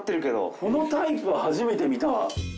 このタイプ初めて見た。